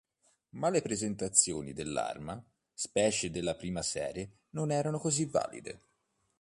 Ma le prestazioni dell'arma, specie della prima serie non erano così valide.